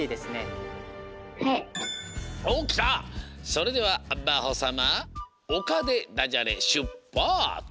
それではまほさま「おか」でダジャレしゅっぱつ！